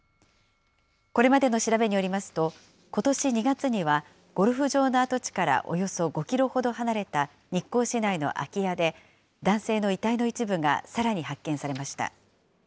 これまでの調べによりますと、ことし２月にはゴルフ場の跡地からおよそ５キロほど離れた日光市内の空き家で、男性の遺体の一部がさらに発見されました。